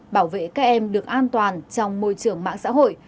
bảo vệ các em được an toàn trong môi trường mạng xã hội